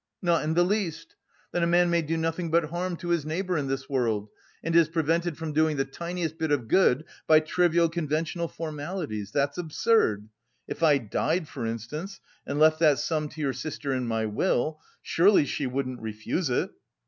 "Not in the least. Then a man may do nothing but harm to his neighbour in this world, and is prevented from doing the tiniest bit of good by trivial conventional formalities. That's absurd. If I died, for instance, and left that sum to your sister in my will, surely she wouldn't refuse it?"